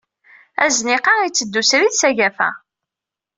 Azniq-a itteddu srid s agafa.